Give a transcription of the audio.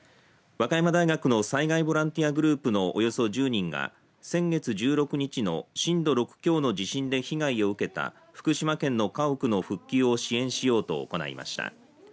和歌山大学の災害ボランティアグループのおよそ１０人が先月１６日の震度６強の地震で被害を受けた福島県の家屋の復旧を支援しようと行いました。